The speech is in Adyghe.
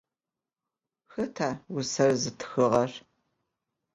Xeta vuser zıtxığer?